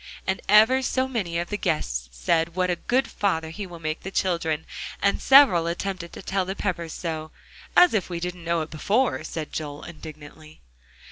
And ever so many of the guests said "What a good father he will make the children," and several attempted to tell the Peppers so. "As if we didn't know it before," said Joel indignantly.